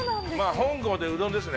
本郷でうどんですね。